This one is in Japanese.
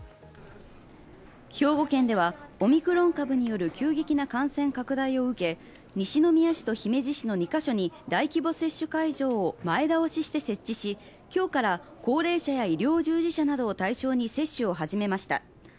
兵庫県ではオミクロン株による急激な感染拡大を受け、西宮市と姫路市の２か所に大規模接種会場を前倒しして設置し、今日から高齢者や医療従事者などを対象に接種を始めました。